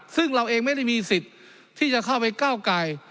ซึ่งเราเองไม่ได้มีสิทธิ์ที่จะเข้าไปก้าวไก่